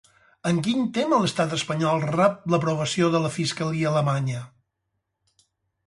En quin tema l'estat espanyol rep l'aprovació de la fiscalia alemanya?